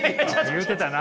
言うてたな。